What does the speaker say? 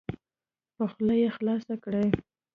په خوله یې خلاصه کړئ.